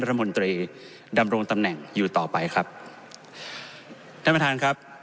รัฐมนตรีดำรงตำแหน่งอยู่ต่อไปครับท่านประธานครับ